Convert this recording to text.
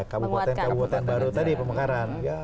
kabupaten kabupaten baru tadi pemekaran